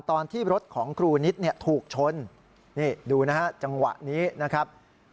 ตอนที่รถของครูนิตเนี่ยถูกชนนี่ดูนะฮะจังหวะนี้นะครับ